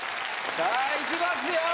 さあいきますよ